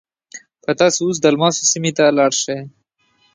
که تاسو اوس د الماسو سیمې ته لاړ شئ.